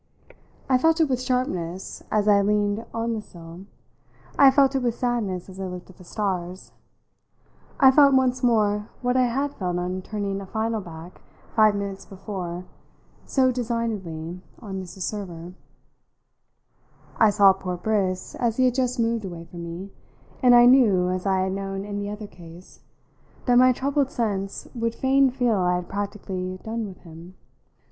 I felt it with sharpness as I leaned on the sill; I felt it with sadness as I looked at the stars; I felt once more what I had felt on turning a final back five minutes before, so designedly, on Mrs. Server. I saw poor Briss as he had just moved away from me, and I knew, as I had known in the other case, that my troubled sense would fain feel I had practically done with him.